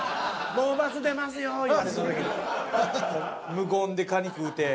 無言でカニ食うて。